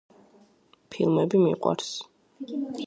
ფილმები მიყვარს.